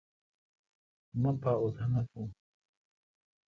مہ پا اوتھ نہ تھون۔